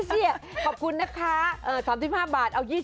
เชียบขอบคุณนะคะ๓๕บาทเอา๒๐บาทได้ไหม